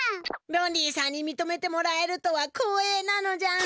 ロンリーさんにみとめてもらえるとはこうえいなのじゃ。